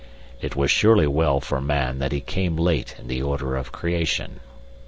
"It was surely well for man that he came late in the order of creation.